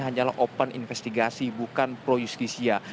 hanyalah open investigasi bukan pro justisia